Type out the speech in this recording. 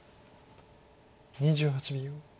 ２８秒。